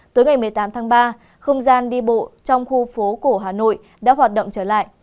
tối ngày một mươi tám tháng ba không gian đi bộ trong khu phố cổ hà nội đã hoạt động trở lại